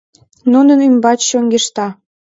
Нунын ӱмбач чоҥешта...